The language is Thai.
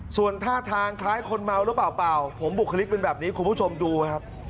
ส่วนท่าทางคล้ายคนเมาหรือเปล่าเปล่าผมบุคลิกเป็นแบบนี้คุณผู้ชมดูครับ